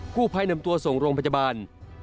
ผู้ภัยนำตัวส่งโรงพยาบาล